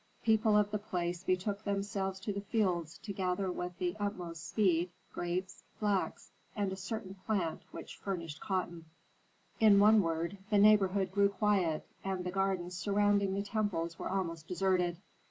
People of the place betook themselves to the fields to gather with the utmost speed grapes, flax, and a certain plant which furnished cotton. In one word, the neighborhood grew quiet, and the gardens surrounding the temples were almost deserted.